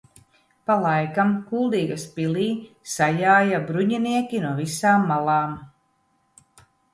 Pa laikam Kuldīgas pilī sajāja bruņinieki no visām malām.